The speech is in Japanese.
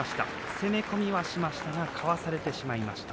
攻め込みはしましたがかわされてしまいました。